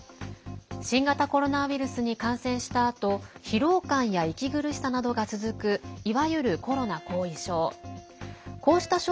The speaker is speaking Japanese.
新型コロナウイルスに感染したあと疲労感や息苦しさなどが続くいわゆるコロナ後遺症。